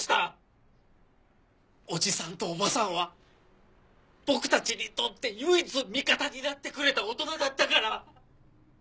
おじさんとおばさんは僕たちにとって唯一味方になってくれた大人だったから。